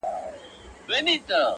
• راسره جانانه .